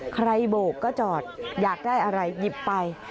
โบกก็จอดอยากได้อะไรหยิบไป